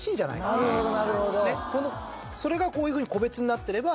それがこういうふうに個別になってれば。